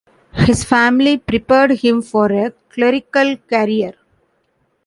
His family prepared him for a clerical career.